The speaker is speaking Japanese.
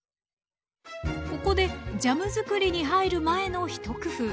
ここでジャム作りに入る前の一工夫。